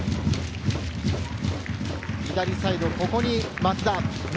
左サイド、ここに松田。